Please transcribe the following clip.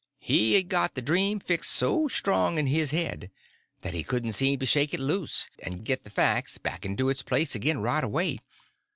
He had got the dream fixed so strong in his head that he couldn't seem to shake it loose and get the facts back into its place again right away.